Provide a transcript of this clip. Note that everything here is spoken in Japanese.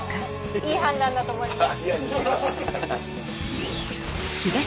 いい判断だと思います。